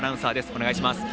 お願いします。